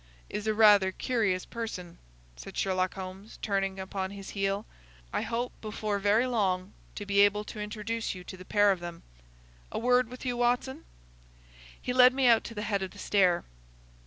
"Is a rather curious person," said Sherlock Holmes, turning upon his heel. "I hope before very long to be able to introduce you to the pair of them.—A word with you, Watson." He led me out to the head of the stair.